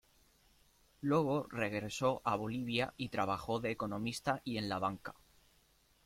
Luego regresó a Bolivia y trabajó de economista y en la banca.